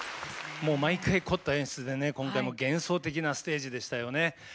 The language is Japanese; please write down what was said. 毎回凝った演出で今回も幻想的なステージでしたよね。